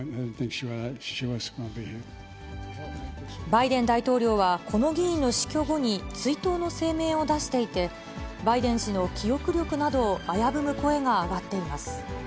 バイデン大統領は、この議員の死去後に追悼の声明を出していて、バイデン氏の記憶力などを危ぶむ声が上がっています。